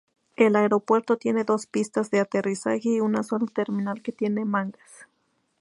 El aeropuerto tiene dos pistas de aterrizaje y una sola terminal que tiene mangas.